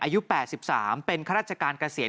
อายุ๘๓เป็นข้าราชการเกษียณ